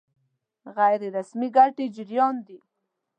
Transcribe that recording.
غیر رسمي ګټې جريان دي.